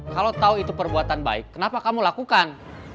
kalau tahu itu perbuatan baik kenapa kamu lakukan